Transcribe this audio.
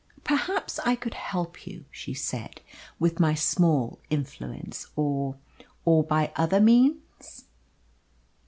"Perhaps I could help you," she said, "with my small influence, or or by other means."